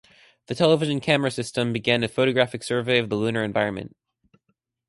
The television camera system began a photographic survey of the lunar environment.